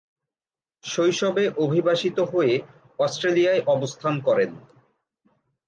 শৈশবে অভিবাসিত হয়ে অস্ট্রেলিয়ায় অবস্থান করেন।